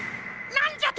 なんじゃと！